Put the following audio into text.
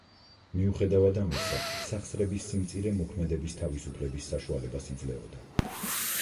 მიუხედავად ამისა, სახსრების სიმწირე მოქმედების თავისუფლების საშუალებას იძლეოდა.